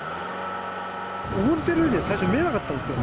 溺れてるようには最初見えなかったんですよ。